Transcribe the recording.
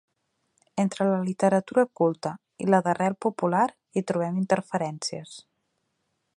Entre la literatura «culta» i la d’arrel popular hi trobem interferències.